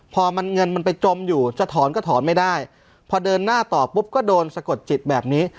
พอมันเงินมันไปจมอยู่จะถอนก็ถอนไม่ได้พอเดินหน้าต่อปุ๊บก็โดนสะกดจิตแบบนี้